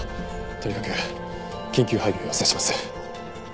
とにかく緊急配備を要請します。